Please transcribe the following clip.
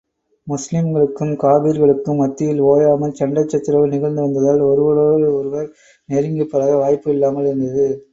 முஸ்லிம்களுக்கும், காபிர்களுக்கும் மத்தியில் ஓயாமல் சண்டைசச்சரவு நிகழ்ந்து வந்ததால், ஒருவரோடு ஒருவர் நெருங்கிப் பழக வாய்ப்பு இல்லாமல் இருந்தது.